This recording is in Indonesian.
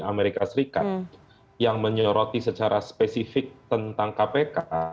amerika serikat yang menyoroti secara spesifik tentang kpk